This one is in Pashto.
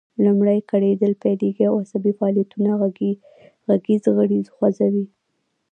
لومړی ګړیدل پیلیږي او عصبي فعالیتونه غږیز غړي خوځوي